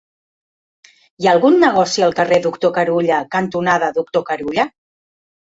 Hi ha algun negoci al carrer Doctor Carulla cantonada Doctor Carulla?